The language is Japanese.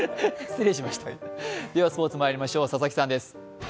ではスポーツまいりましょう、佐々木さんです。